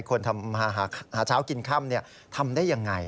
คนมาหาเช้ากินค่ำทำได้อย่างไรนะฮะ